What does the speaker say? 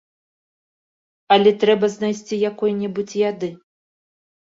Але трэба знайсці якой-небудзь яды.